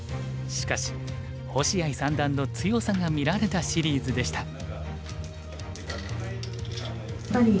しかし星合三段の強さが見られたシリーズでした。